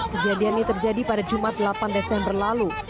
kejadian ini terjadi pada jumat delapan desember lalu